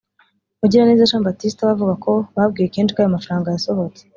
Mugiraneza Jean Baptiste we avuga ko babwiwe kenshi ko amafaranga yasohotse